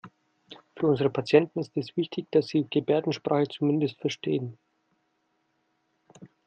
Für unsere Patienten ist es wichtig, dass Sie Gebärdensprache zumindest verstehen.